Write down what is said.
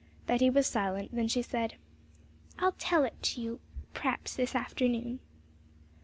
Betty was silent; then she said, 'I'll tell it to you p'raps this afternoon.'